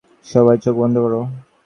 সবাই চোখ বন্ধ করো।